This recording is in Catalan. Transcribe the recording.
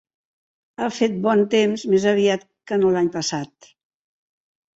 Ha fet bon temps més aviat que no l'any passat.